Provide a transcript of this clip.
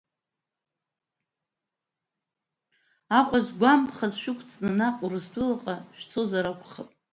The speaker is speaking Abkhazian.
Аҟәа згәамԥхаз шәықәҵны наҟ Урыстәылаҟа шәцозар акәхап.